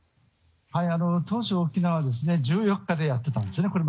当初、沖縄は１４日でやっていたんですね。